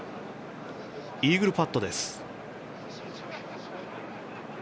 イーグルパットです。